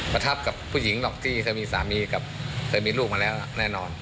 ประทับกับผู้หญิงหรอกที่เคยมีสามีกับเคยมีลูกมาแล้วแน่นอน